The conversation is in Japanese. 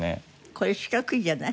これ四角いじゃない。